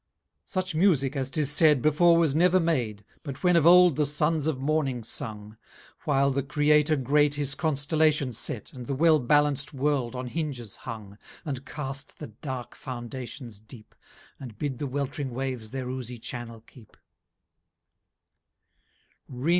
XII Such Musick (as 'tis said) Before was never made, But when of old the sons of morning sung, While the Creator Great His constellations set, 120 And the well ballanc't world on hinges hung, And cast the dark foundations deep, And bid the weltring waves their oozy channel keep.